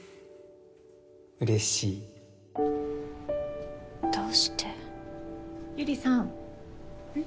嬉しいどうして百合さんうん？